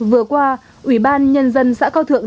vừa qua ủy ban nhân dân xã cao thượng